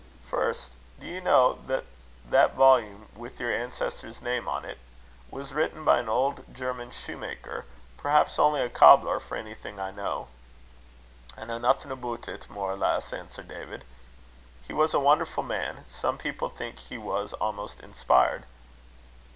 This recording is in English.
"First do you know that that volume with your ancestor's name on it, was written by an old German shoemaker, perhaps only a cobbler, for anything I know?" "I know nothing aboot it, more or less," answered David. "He was a wonderful man. Some people think he was almost inspired."